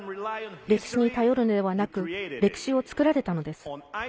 歴史に頼るのではなく歴史を作られたのです。